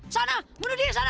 sana bunuh diri sana